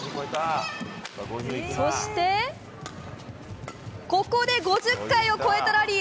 そしてここで５０回を超えたラリー。